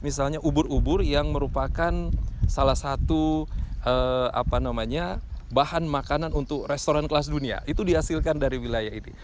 misalnya ubur ubur yang merupakan salah satu bahan makanan untuk restoran kelas dunia itu dihasilkan dari wilayah ini